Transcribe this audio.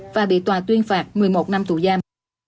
và bị tòa tuyên phạt một mươi một năm tù giam